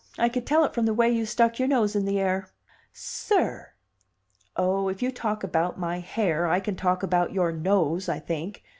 I could tell it from the way you stuck your nose in the air." "Sir!" "Oh, if you talk about my hair, I can talk about your nose, I think.